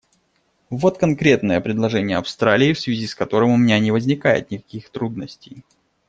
Вот конкретное предложение Австралии, в связи с которым у меня не возникает никаких трудностей.